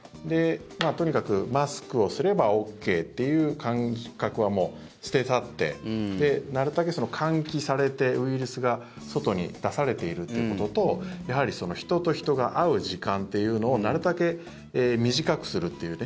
とにかくマスクをすればＯＫっていう感覚はもう捨て去ってなるたけ換気されてウイルスが外に出されているということとやはり人と人が会う時間というのをなるたけ短くするというね。